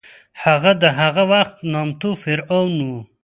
هغه د هغه وخت نامتو فرعون و.